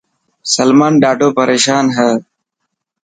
سلمان ڏاڌو پريشان هي.